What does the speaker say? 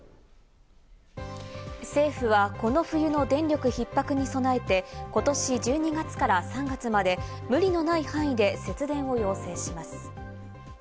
政府はこの冬の電力ひっ迫に備えて、今年１２月から３月まで無理のない範囲で節電を要請します。